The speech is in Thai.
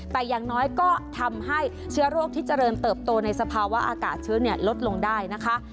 แต่อย่างน้อยก็ทำให้เชื้อโรคที่เจริญเติบโตในสภาวะอากาศเชื้อลดลงได้นะคะ